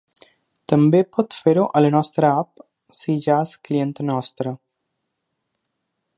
També pot fer-ho a la nostra app, si ja és client nostre.